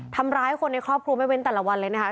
ทำร้ายคนในครอบครัวไม่เว้นแต่ละวันเลยนะคะ